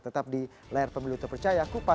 tetapi kita akan menjawab di segmen berikutnya